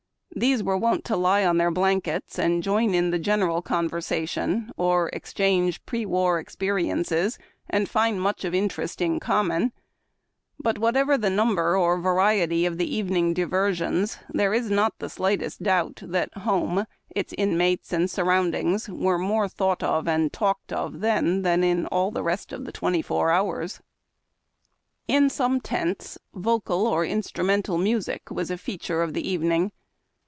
These were wont to lie on their blankets, and join in the general conversation, or exchange ante war experiences, and find much of interest in common ; but, whatever the number or variety of the evening diversions, there is not the slightest doubt that home, its inmates, and surroundings were more thought of and talked of then than in all the rest of the twenty four hours. In some tents vocal or instrumental music was a feature of the evening.